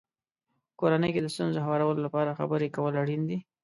په کورنۍ کې د ستونزو هوارولو لپاره خبرې کول اړین دي.